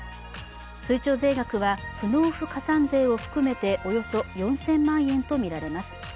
追徴税額は不納付加算税を含めておよそ４０００万円とみられます。